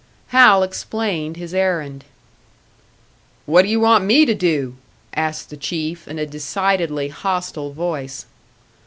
Hal explained his errand. "What do you want me to do?" asked the Chief, in a decidedly hostile voice.